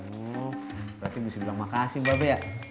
oh berarti mesti bilang makasih mbak be ya